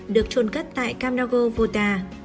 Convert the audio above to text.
được trôn cất tại campnago vota